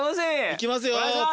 いきますよ。